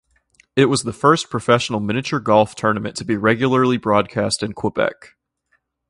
It was the first professional miniature golf tournament to be regularly broadcast in Quebec.